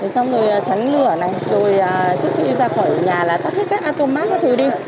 xong rồi tránh lửa này rồi trước khi ra khỏi nhà là tắt hết các atom bát các thứ đi